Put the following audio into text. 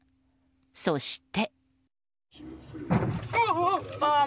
そして。